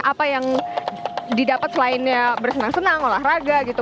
apa yang didapat selainnya bersenang senang olahraga gitu